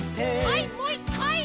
はいもう１かい！